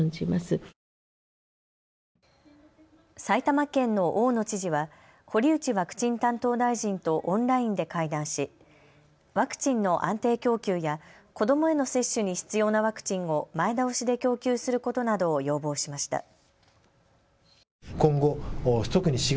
埼玉県の大野知事は堀内ワクチン担当大臣とオンラインで会談しワクチンの安定供給や子どもへの接種に必要なワクチンを前倒しで供給することなどを要望しました。